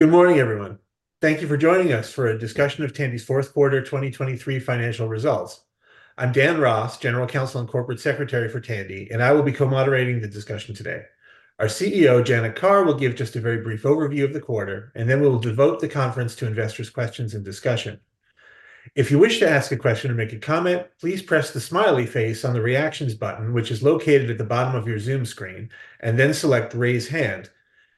Good morning, everyone. Thank you for joining us for a discussion of Tandy's fourth quarter 2023 financial results. I'm Dan Ross, General Counsel and Corporate Secretary for Tandy, and I will be co-moderating the discussion today. Our CEO, Janet Carr, will give just a very brief overview of the quarter, and then we will devote the conference to investors' questions and discussion. If you wish to ask a question or make a comment, please press the smiley face on the reactions button, which is located at the bottom of your Zoom screen, and then select "Raise Hand."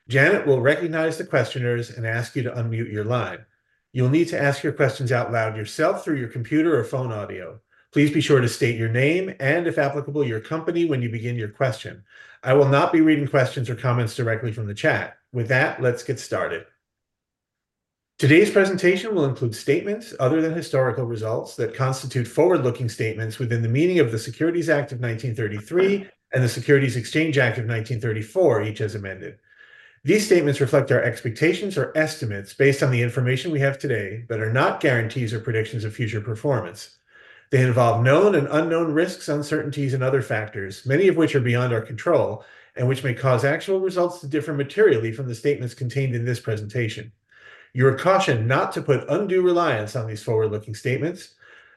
Janet will recognize the questioners and ask you to unmute your line. You'll need to ask your questions out loud yourself through your computer or phone audio. Please be sure to state your name and, if applicable, your company when you begin your question. I will not be reading questions or comments directly from the chat. With that, let's get started. Today's presentation will include statements other than historical results that constitute forward-looking statements within the meaning of the Securities Act of 1933 and the Securities Exchange Act of 1934, each as amended. These statements reflect our expectations or estimates based on the information we have today but are not guarantees or predictions of future performance. They involve known and unknown risks, uncertainties, and other factors, many of which are beyond our control and which may cause actual results to differ materially from the statements contained in this presentation. You are cautioned not to put undue reliance on these forward-looking statements.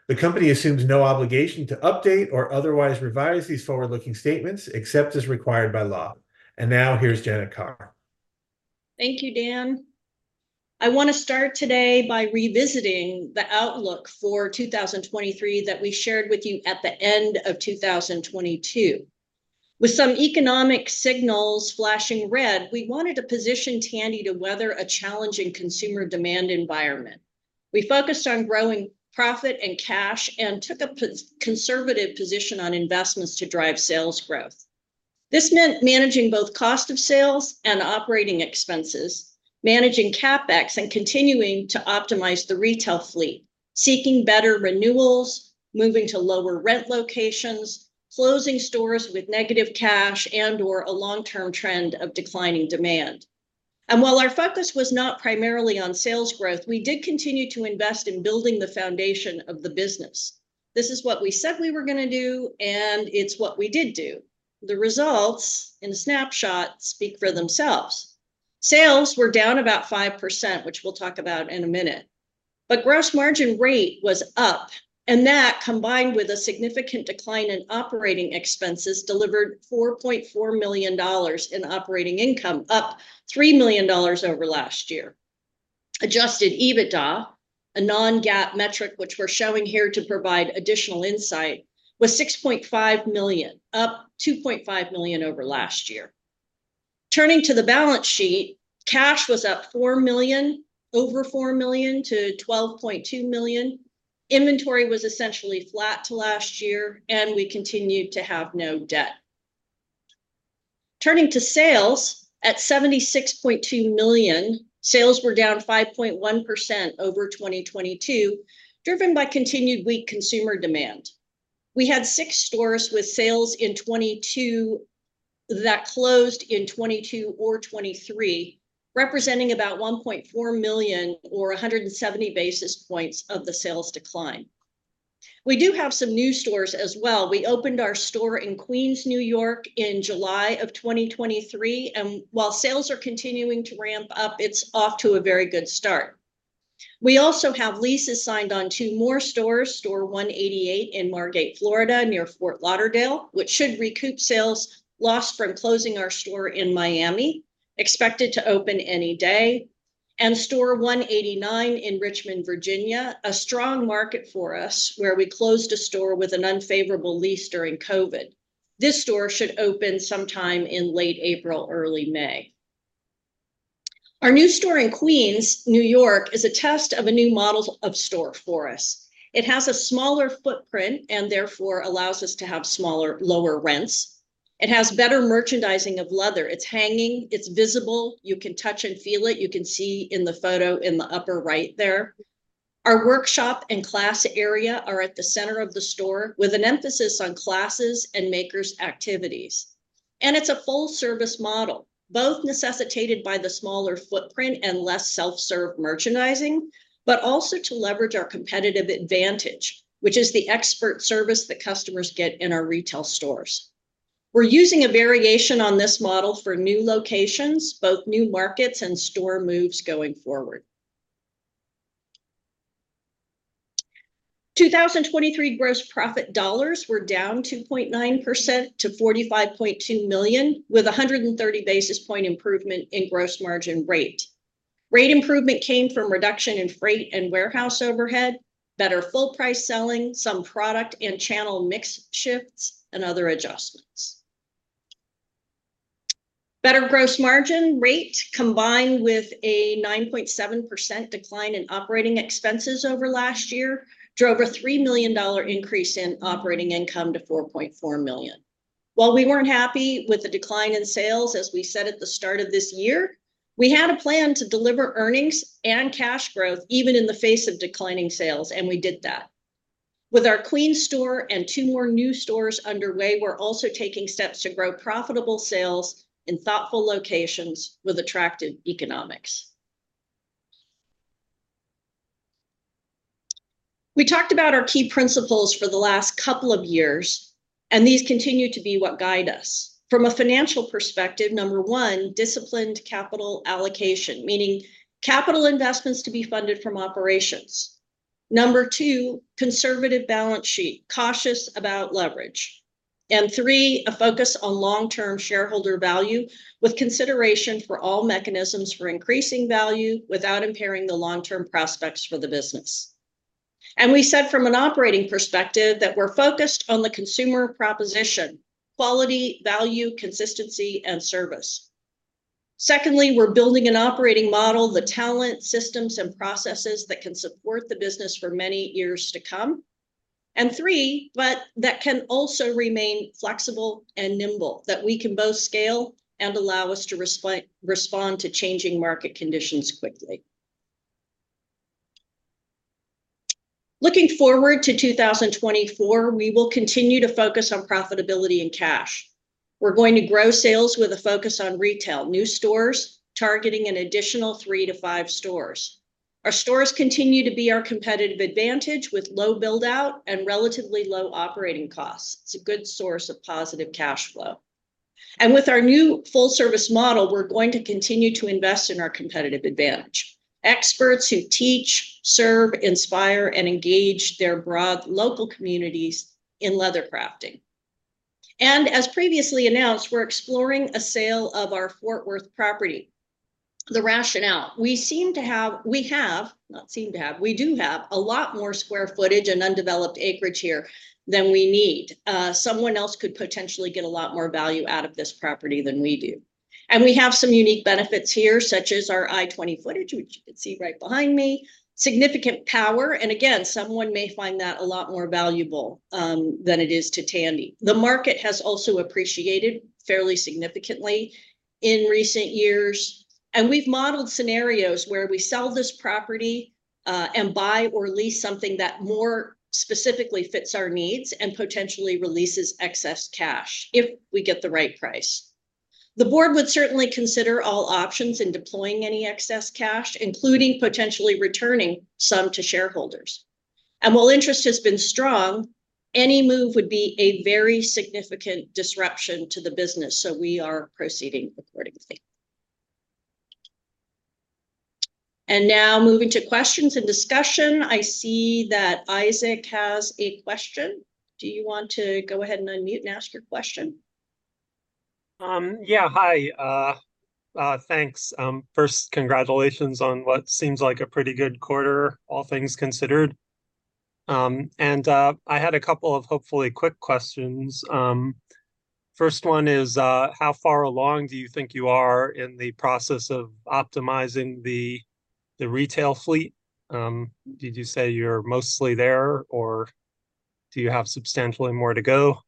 The company assumes no obligation to update or otherwise revise these forward-looking statements except as required by law. And now here's Janet Carr. Thank you, Dan. I want to start today by revisiting the outlook for 2023 that we shared with you at the end of 2022. With some economic signals flashing red, we wanted to position Tandy to weather a challenging consumer demand environment. We focused on growing profit and cash and took a conservative position on investments to drive sales growth. This meant managing both cost of sales and operating expenses, managing Capex, and continuing to optimize the retail fleet, seeking better renewals, moving to lower rent locations, closing stores with negative cash and/or a long-term trend of declining demand. And while our focus was not primarily on sales growth, we did continue to invest in building the foundation of the business. This is what we said we were going to do, and it's what we did do. The results, in a snapshot, speak for themselves. Sales were down about 5%, which we'll talk about in a minute. But gross margin rate was up, and that combined with a significant decline in operating expenses delivered $4.4 million in operating income, up $3 million over last year. Adjusted EBITDA, a non-GAAP metric which we're showing here to provide additional insight, was $6.5 million, up $2.5 million over last year. Turning to the balance sheet, cash was up $4 million, over $4 million to $12.2 million. Inventory was essentially flat to last year, and we continued to have no debt. Turning to sales, at $76.2 million, sales were down 5.1% over 2022, driven by continued weak consumer demand. We had six stores with sales in 2022 that closed in 2022 or 2023, representing about $1.4 million or 170 basis points of the sales decline. We do have some new stores as well. We opened our store in Queens, New York, in July of 2023, and while sales are continuing to ramp up, it's off to a very good start. We also have leases signed on two more stores, Store 188 in Margate, Florida, near Fort Lauderdale, which should recoup sales lost from closing our store in Miami, expected to open any day. Store 189 in Richmond, Virginia, a strong market for us where we closed a store with an unfavorable lease during COVID. This store should open sometime in late April, early May. Our new store in Queens, New York, is a test of a new model of store for us. It has a smaller footprint and therefore allows us to have smaller, lower rents. It has better merchandising of leather. It's hanging. It's visible. You can touch and feel it. You can see in the photo in the upper right there. Our workshop and class area are at the center of the store with an emphasis on classes and makers' activities. It's a full-service model, both necessitated by the smaller footprint and less self-serve merchandising, but also to leverage our competitive advantage, which is the expert service that customers get in our retail stores. We're using a variation on this model for new locations, both new markets and store moves going forward. 2023 gross profit dollars were down 2.9% to $45.2 million, with a 130 basis point improvement in gross margin rate. Rate improvement came from reduction in freight and warehouse overhead, better full-price selling, some product and channel mix shifts, and other adjustments. Better gross margin rate, combined with a 9.7% decline in operating expenses over last year, drove a $3 million increase in operating income to $4.4 million. While we weren't happy with the decline in sales, as we said at the start of this year, we had a plan to deliver earnings and cash growth even in the face of declining sales, and we did that. With our Queens store and two more new stores underway, we're also taking steps to grow profitable sales in thoughtful locations with attractive economics. We talked about our key principles for the last couple of years, and these continue to be what guide us. From a financial perspective, number one, disciplined capital allocation, meaning capital investments to be funded from operations. Number two, conservative balance sheet, cautious about leverage. And three, a focus on long-term shareholder value with consideration for all mechanisms for increasing value without impairing the long-term prospects for the business. And we said from an operating perspective that we're focused on the consumer proposition: quality, value, consistency, and service. Secondly, we're building an operating model, the talent, systems, and processes that can support the business for many years to come. And three, but that can also remain flexible and nimble, that we can both scale and allow us to respond to changing market conditions quickly. Looking forward to 2024, we will continue to focus on profitability and cash. We're going to grow sales with a focus on retail, new stores targeting an additional 3-5 stores. Our stores continue to be our competitive advantage with low buildout and relatively low operating costs. It's a good source of positive cash flow. And with our new full-service model, we're going to continue to invest in our competitive advantage: experts who teach, serve, inspire, and engage their broad local communities in leather crafting. And as previously announced, we're exploring a sale of our Fort Worth property. The rationale: We do have a lot more square footage and undeveloped acreage here than we need. Someone else could potentially get a lot more value out of this property than we do. And we have some unique benefits here, such as our I-20 frontage, which you can see right behind me, significant power, and again, someone may find that a lot more valuable than it is to Tandy. The market has also appreciated fairly significantly in recent years, and we've modeled scenarios where we sell this property and buy or lease something that more specifically fits our needs and potentially releases excess cash if we get the right price. The board would certainly consider all options in deploying any excess cash, including potentially returning some to shareholders. While interest has been strong, any move would be a very significant disruption to the business, so we are proceeding accordingly. Now moving to questions and discussion, I see that Isaac has a question. Do you want to go ahead and unmute and ask your question? Yeah, hi. Thanks. First, congratulations on what seems like a pretty good quarter, all things considered. I had a couple of hopefully quick questions. First one is, how far along do you think you are in the process of optimizing the retail fleet? Did you say you're mostly there, or do you have substantially more to go?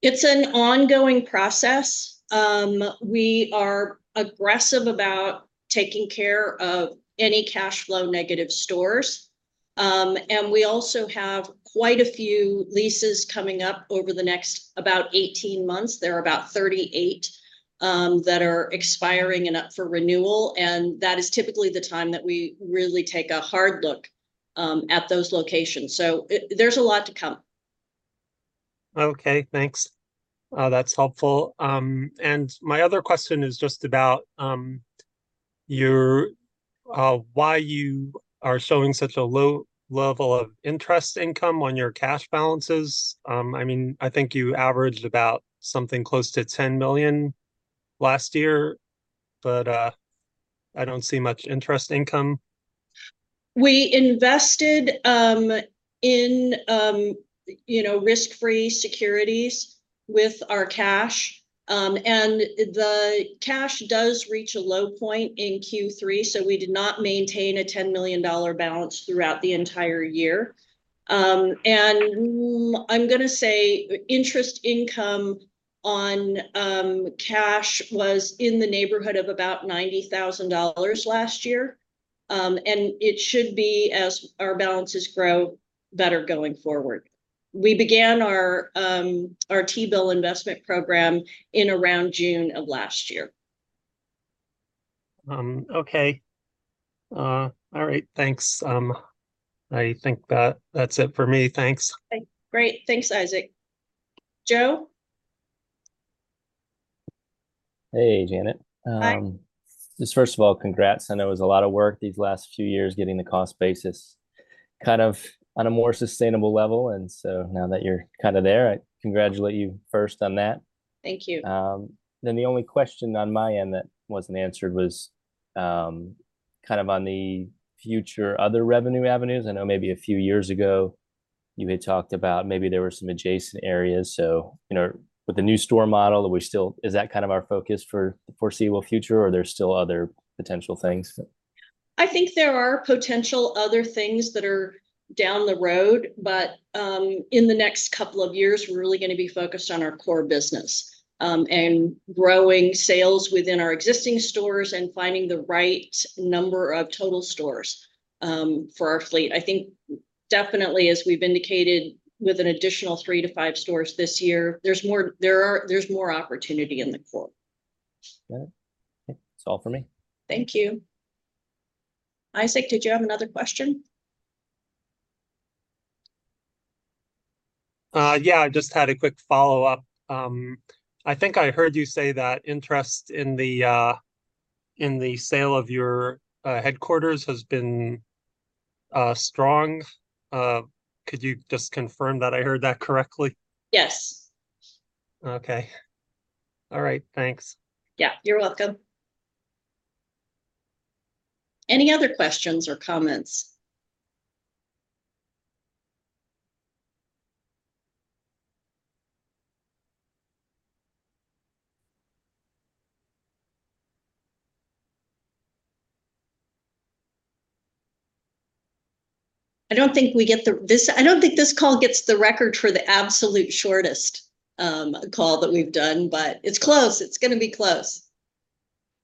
It's an ongoing process. We are aggressive about taking care of any cash flow negative stores. And we also have quite a few leases coming up over the next about 18 months. There are about 38 that are expiring and up for renewal, and that is typically the time that we really take a hard look at those locations. So there's a lot to come. Okay, thanks. That's helpful. My other question is just about why you are showing such a low level of interest income on your cash balances. I mean, I think you averaged about something close to $10 million last year, but I don't see much interest income. We invested in risk-free securities with our cash, and the cash does reach a low point in Q3, so we did not maintain a $10 million balance throughout the entire year. I'm going to say interest income on cash was in the neighborhood of about $90,000 last year, and it should be, as our balances grow, better going forward. We began our T-bill investment program in around June of last year. Okay. All right, thanks. I think that's it for me. Thanks. Great. Thanks, Isaac. Joe? Hey, Janet. Hi. Just first of all, congrats. I know it was a lot of work these last few years getting the cost basis kind of on a more sustainable level, and so now that you're kind of there, I congratulate you first on that. Thank you. Then the only question on my end that wasn't answered was kind of on the future other revenue avenues. I know maybe a few years ago you had talked about maybe there were some adjacent areas. So with the new store model, is that kind of our focus for the foreseeable future, or are there still other potential things? I think there are potential other things that are down the road, but in the next couple of years, we're really going to be focused on our core business and growing sales within our existing stores and finding the right number of total stores for our fleet. I think definitely, as we've indicated, with an additional 3-5 stores this year, there's more opportunity in the core. Got it. That's all for me. Thank you. Isaac, did you have another question? Yeah, I just had a quick follow-up. I think I heard you say that interest in the sale of your headquarters has been strong. Could you just confirm that I heard that correctly? Yes. Okay. All right, thanks. Yeah, you're welcome. Any other questions or comments? I don't think this call gets the record for the absolute shortest call that we've done, but it's close. It's going to be close.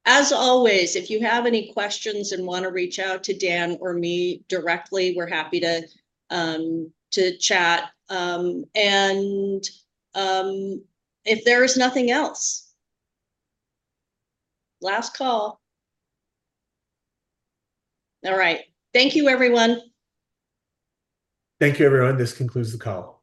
As always, if you have any questions and want to reach out to Dan or me directly, we're happy to chat. And if there is nothing else, last call. All right. Thank you, everyone. Thank you, everyone. This concludes the call.